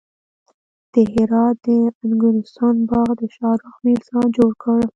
د هرات د انګورستان باغ د شاهرخ میرزا جوړ کړ